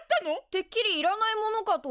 てっきりいらないものかと。